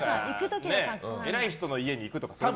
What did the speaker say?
偉い人の家に行く時とか。